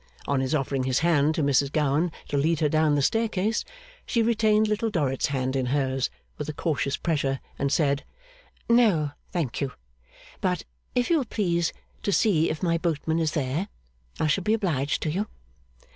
On his offering his hand to Mrs Gowan to lead her down the staircase, she retained Little Dorrit's hand in hers, with a cautious pressure, and said, 'No, thank you. But, if you will please to see if my boatman is there, I shall be obliged to you.